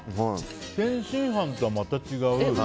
天津飯とは、また違う。